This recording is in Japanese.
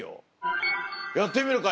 やってみるかい？